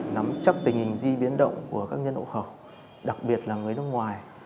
nắm chắc tình hình di biến động của các nhân hộ khẩu đặc biệt là người nước ngoài